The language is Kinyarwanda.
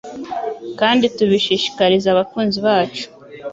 kandi tubishishikariza abakunzi bacu